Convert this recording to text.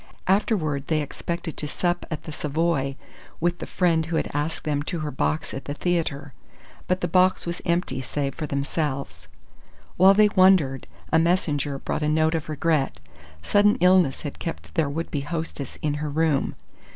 Afterward they expected to sup at the Savoy with the friend who had asked them to her box at the theatre; but the box was empty save for themselves. While they wondered, a messenger brought a note of regret. Sudden illness had kept their would be hostess in her room.